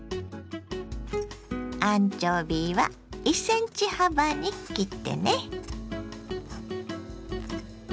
アンチョビは１ｃｍ幅に切ってね。